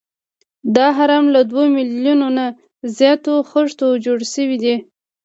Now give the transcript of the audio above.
دا هرم له دوه میلیونه زیاتو خښتو جوړ شوی دی.